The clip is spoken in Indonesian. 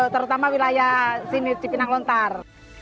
terutama wilayah sini cipinang lontar